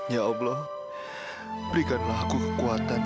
ya allah berikanlah aku kekuatan